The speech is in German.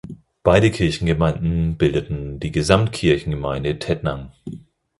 Beide Kirchengemeinden bildeten die Gesamtkirchengemeinde Tettnang.